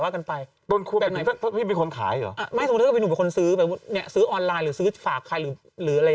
แองที่เขาก็ลองหมายถึงว่าตัวลอตเตอรี่ที่เป็นกระดาษเลย